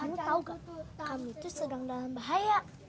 kamu tahu gak kami tuh sedang dalam bahaya